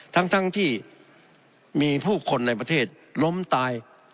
ทั้งที่มีผู้คนในประเทศล้มตาย